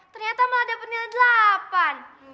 ternyata malah dapet nilai delapan